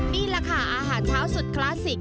นี่แหละค่ะอาหารเช้าสุดคลาสสิก